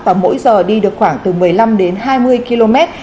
và mỗi giờ đi được khoảng từ một mươi năm đến hai mươi km